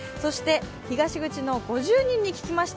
東口の５０人に聞きました